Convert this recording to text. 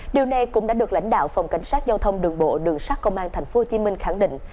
điều này cũng đã được lãnh đạo phòng cảnh sát giao thông đường bộ đường sát công an tp hcm khẳng định